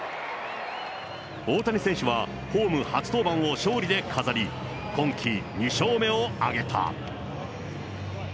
大谷選手はホーム初登板を勝利で飾り、今季２勝目を挙げた。